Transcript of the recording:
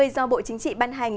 do bộ chính trị ban hành